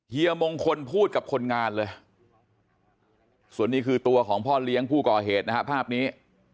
เฮียมงคลพูดกับคนงานเลยส่วนนี้คือตัวของพ่อเลี้ยงผู้ก่อเหตุนะฮะภาพนี้